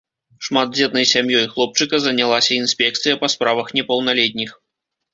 Шматдзетнай сям'ёй хлопчыка занялася інспекцыя па справах непаўналетніх.